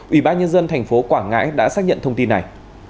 ủy ban nhân dân thành phố quảng ngãi đã xác nhận thông tin này